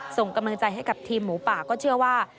ส่งกำลังใจให้กับทีมหมูป่าก็เชื่อว่า